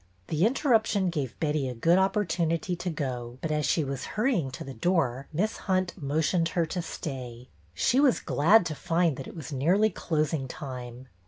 The interruption gave Betty a good opportu nity to go, but as she was hurrying to the door Miss Hunt motioned her to stay. She was glad to find that it was nearly closing time.